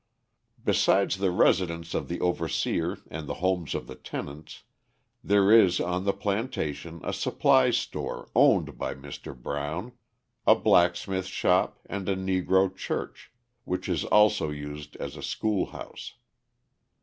Besides the residence of the overseer and the homes of the tenants there is on the plantation a supply store owned by Mr. Brown, a blacksmith shop and a Negro church, which is also used as a school house.